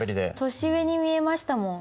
年上に見えましたもん。